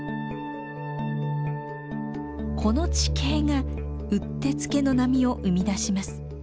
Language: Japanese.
この地形がうってつけの波を生み出します。